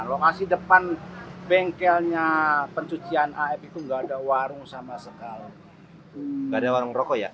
lokasi depan bengkelnya pencucian af itu nggak ada warung sama sekali nggak ada warung rokok ya